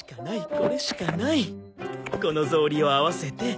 この草履を合わせて。